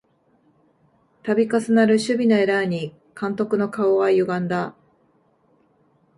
たび重なる守備のエラーに監督の顔はゆがんだ